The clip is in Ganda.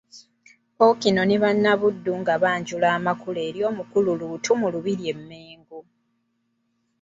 Ppookino ne Bannabuddu nga banjula amakula eri omukulu Luutu mu lubiri e Mengo.